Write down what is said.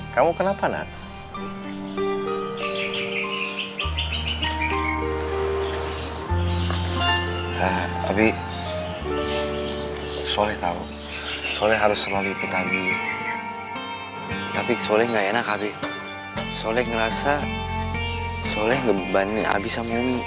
kemanapun soleh pergi saya akan ada